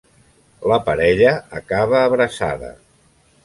La parella acaba abraçada.